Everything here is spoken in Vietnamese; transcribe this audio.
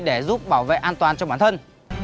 để giúp bảo vệ an toàn cho bản thân